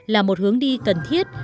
là một hướng đi cần thiết